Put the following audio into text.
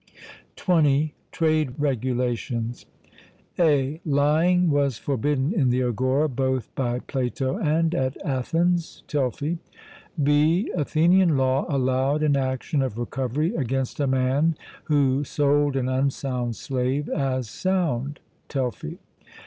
(20) Trade regulations. (a) Lying was forbidden in the agora both by Plato and at Athens (Telfy). (b) Athenian law allowed an action of recovery against a man who sold an unsound slave as sound (Telfy).